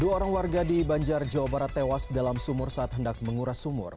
tujuh orang warga di banjar jawa barat tewas dalam sumur saat hendak menguras sumur